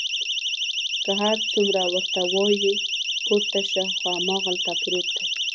که هر څومره ورته وایي پورته شه، خو هماغلته پروت دی.